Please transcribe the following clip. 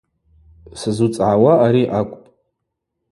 Сзуцӏгӏауа ари акӏвпӏ.